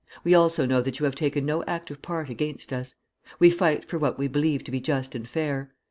We also know that you have taken no active part against us. We fight for what we believe to be just and fair.